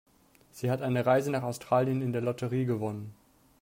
Sie hat eine Reise nach Australien in der Lotterie gewonnen.